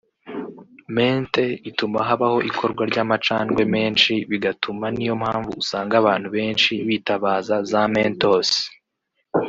Menthe ituma habaho ikorwa ry’amacandwe menshi bigatuma niyo mpamvu usanga abantu benshi bitabaza za mentos